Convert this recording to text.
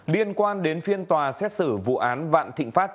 liên quan đến phiên tòa xét xử vụ án vạn thịnh pháp